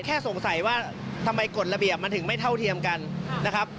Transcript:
แค่สงสัยว่าทำไมกฎระเบียบมันถึงไม่เท่าเทียมกันนะครับ